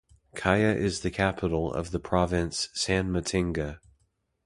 Kaya is the capital of the province Sanmatenga.